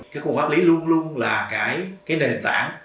cái khung pháp lý luôn luôn là cái nền tảng